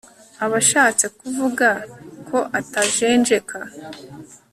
aba ashatse kuvuga ko atajenjeka